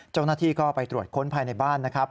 เจ้าหน้าที่ก็ไปตรวจค้นภายในบ้านนะครับ